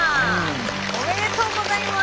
おめでとうございます！